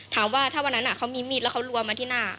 ถามว่าถ้าวันนั้นเขามีมีดแล้วเขารัวมาที่หน้า